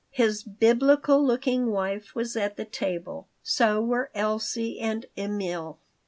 His Biblical looking wife was at the table. So were Elsie and Emil.